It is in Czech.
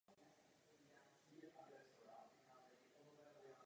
Z mnoha textů jsou pro představu o každodenním životě pozoruhodné zejména dopisy.